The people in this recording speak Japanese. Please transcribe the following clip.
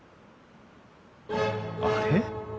あれ？